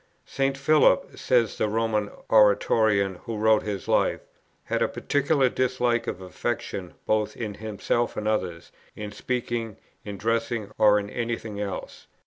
"St. Philip," says the Roman Oratorian who wrote his Life, "had a particular dislike of affectation both in himself and others, in speaking, in dressing, or in any thing else.